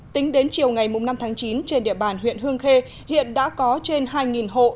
tính đến chiều ngày năm tháng chín trên địa bàn huyện hương khê hiện đã có trên hai hộ